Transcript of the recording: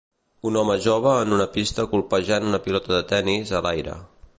Un home jove en una pista colpejant una pilota de tenis a l'aire.